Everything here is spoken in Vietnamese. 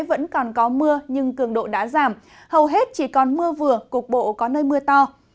vẫn còn có mưa nhưng cường độ đã giảm hầu hết chỉ còn mưa vừa cục bộ có nơi mưa to